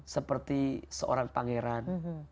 seperti seorang pangeran